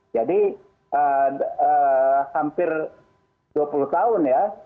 jadi hampir dua puluh tahun ya